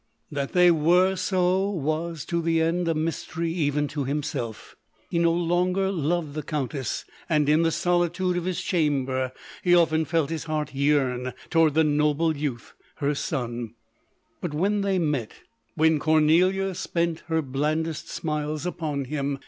That they were so, was, to the end, a mysterv even to himself, He no longer loved the Countess; and, in the solitude of his chamber, he often felt his heart yearn towards the noble youth, her son; but when they met — when Cornelia spent her blandest smiles upon him, 164 lodori